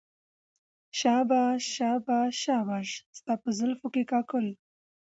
شاباش شاباش شاباش ستا په زلفو په كاكل